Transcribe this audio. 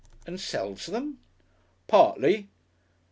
"And sells them?" "Partly."